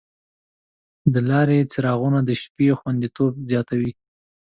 د لارې څراغونه د شپې خوندیتوب زیاتوي.